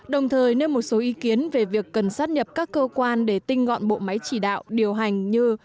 đồng thời nêu một số ý kiến về việc cần sát nhập các cơ quan để tinh gọn bộ máy chỉ đạo điều hành như